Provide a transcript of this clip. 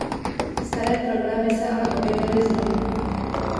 Staré problémy se ale objevily znovu.